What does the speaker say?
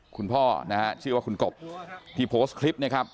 คุณพ่อนะฮะชื่อว่าคุณกบที่โพสต์คลิปนะครับ